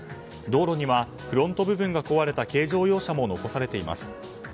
道路にはフロント部分が壊れた軽乗用車も残されています。